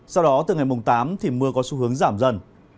sau đó từ ngày mùng tám thì mưa có xu hướng giảm dần